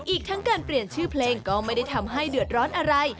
อีกทั้งการเปลี่ยนชื่อเพลงก็ไม่ได้ทำให้เดือดร้อนอะไร